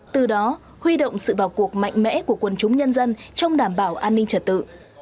từ đó huy động sự vào cuộc mạnh mẽ của quân chúng nhân dân trong đảm bảo an ninh trật tự